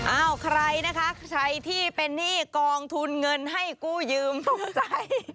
อ้าวใครนะคะใครที่เป็นหนี้กองทุนเงินให้กู้ยืมตกใจ